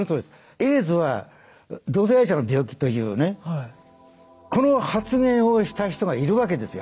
「エイズは同性愛者の病気」というねこの発言をした人がいるわけですよ